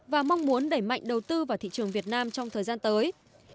và mong muốn đẩy mạnh đầu tư vào thị trường việt nam trong thời gian tới